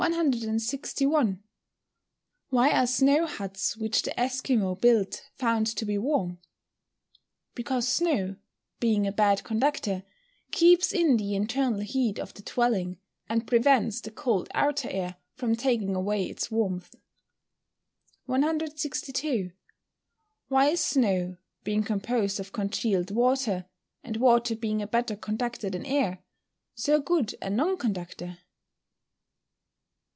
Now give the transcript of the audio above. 161. Why are snow huts which the Esquimaux build found to be warm? Because snow, being a bad conductor, keeps in the internal heat of the dwelling, and prevents the cold outer air from taking away its warmth. 162. _Why is snow, being composed of congealed water (and water being a better conductor than air), so good a non conductor?